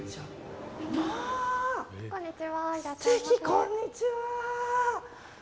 こんにちは。